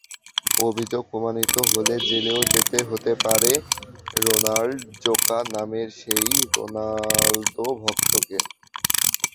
অভিযোগ প্রমাণিত হলে জেলেও যেতে হতে পারে রোনাল্ড জোকা নামের সেই রোনালদো-ভক্তকে।